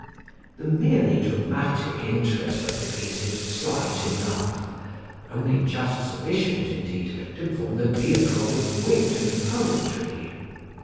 The merely dramatic interest of the piece is slight enough; only just sufficient, indeed, to form the vehicle of its wit and poetry.